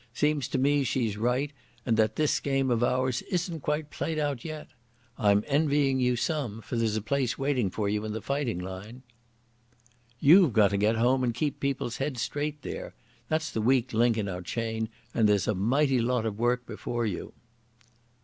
Seems to me she's right and that this game of ours isn't quite played out yet. I'm envying you some, for there's a place waiting for you in the fighting line." "You've got to get home and keep people's heads straight there. That's the weak link in our chain and there's a mighty lot of work before you."